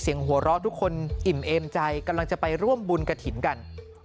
หัวเราะทุกคนอิ่มเอมใจกำลังจะไปร่วมบุญกระถิ่นกัน